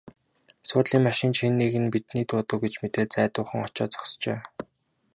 Суудлын машин ч хэн нэг нь биднийг дуудав гэж мэдээд зайдуухан очоод зогсжээ.